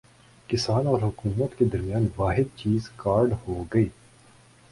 کسان اور حکومت کے درمیان واحد چیز کارڈ ہوگی